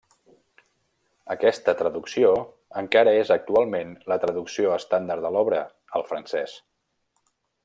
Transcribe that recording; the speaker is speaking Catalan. Aquesta traducció encara és actualment la traducció estàndard de l'obra al francès.